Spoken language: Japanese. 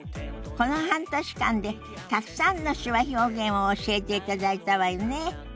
この半年間でたくさんの手話表現を教えていただいたわよね。